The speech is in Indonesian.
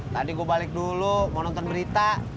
tadi gue balik dulu mau nonton berita